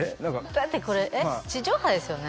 だってこれ地上波ですよね？